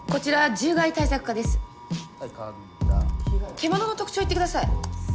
獣の特徴を言って下さい。